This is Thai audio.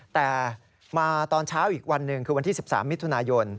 แต่มาตอนเช้าอีกวันหนึ่งคือวันที่๑๓มิถุนายน